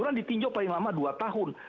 sekarang ditinjau paling lama dua tahun